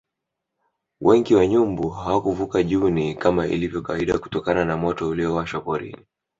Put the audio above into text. Wengi wa nyumbu hawakuvuka Juni kama ilivyo kawaida kutokana na moto uliowashwa porini